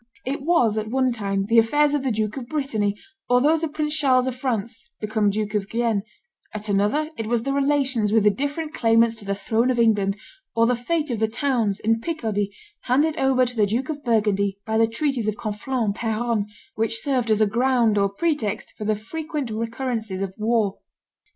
It was at one time the affairs of the Duke of Brittany or those of Prince Charles of France, become Duke of Guienne; at another it was the relations with the different claimants to the throne of England, or the fate of the towns, in Picardy, handed over to the Duke of Burgundy by the treaties of Conflans and Peronne, which served as a ground or pretext for the frequent recurrences of war.